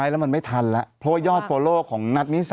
แอรี่แอรี่แอรี่แอรี่แอรี่